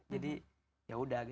jadi ya udah